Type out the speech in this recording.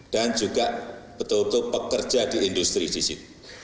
dan juga betul betul pekerja di industri di situ